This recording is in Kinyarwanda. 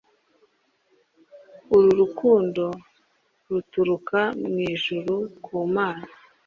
uru rukundo ruturuka mu ijuru kumana